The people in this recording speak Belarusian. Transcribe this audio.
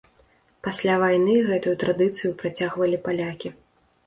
Пасля вайны гэтую традыцыю працягвалі палякі.